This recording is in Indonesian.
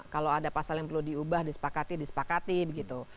kalau ada pasal yang perlu diubah disepakati disepakati begitu